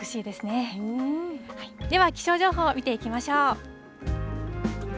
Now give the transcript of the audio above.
では、気象情報、見ていきましょう。